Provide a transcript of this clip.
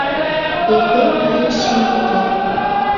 Эртен кайыш шеҥгекет;